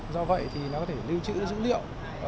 do vậy thì nó có thể lưu trữ dữ liệu